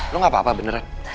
lu gak apa apa beneran